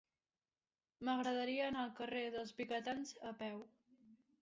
M'agradaria anar al carrer dels Vigatans a peu.